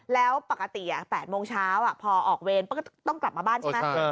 แล้วปกติ๘โมงเช้าพอออกเวรต้องกลับมาบ้านใช่ไหม